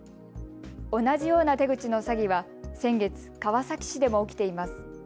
同じような手口の詐欺は先月、川崎市でも起きています。